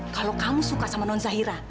kalau kamu suka sama non zahira